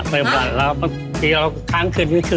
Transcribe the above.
ซึมละเผยบหวั่นเวลาท้ายตั้งคือนึงมี